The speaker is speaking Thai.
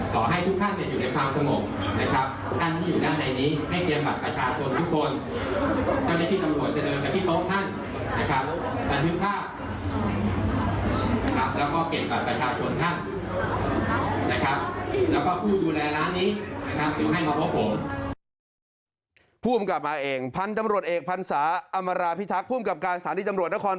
ตอนนี้มีการจำหน่ายสุราในช่วงประกาศสถานการณ์ฉุดเชิง